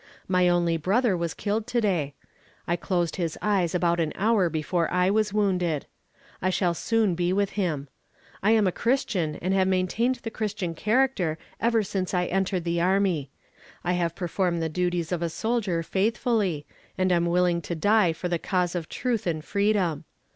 My only brother was killed to day. I closed his eyes about an hour before I was wounded. I shall soon be with him. I am a christian, and have maintained the christian character ever since I entered the army. I have performed the duties of a soldier faithfully, and am willing to die for the cause of truth and freedom.